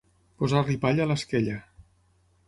Posar-li palla a l'esquella.